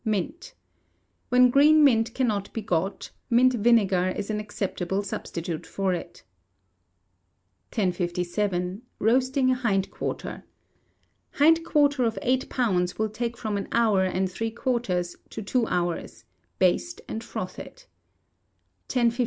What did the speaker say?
Mint. When green mint cannot be got, mint vinegar is an acceptable substitute for it. 1057. Roasting a Hind Quarter. Hind quarter of eight pounds will take from an hour and three quarters to two hours; baste and froth it.